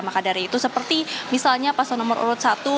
maka dari itu seperti misalnya paslon nomor urut satu